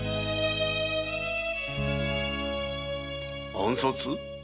暗殺？